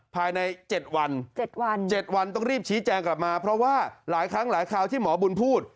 ภายใน๗วัน๗วัน๗วันต้องรีบชี้แจงกลับมาเพราะว่าหลายครั้งหลายคราวที่หมอบุญพูด